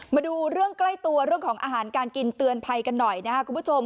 มาดูเรื่องใกล้ตัวเรื่องของอาหารการกินเตือนภัยกันหน่อยนะครับคุณผู้ชม